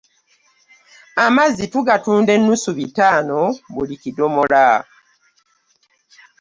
Amazzi tugatunda nnusu bitaana buli kidomola.